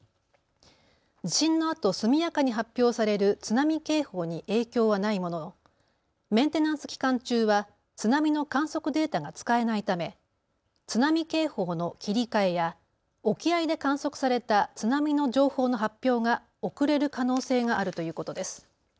地震のあと速やかに発表される津波警報に影響はないもののメンテナンス期間中は津波の観測データが使えないため津波警報の切り替えや沖合で観測された津波の情報の発表が遅れる可能性があるということです。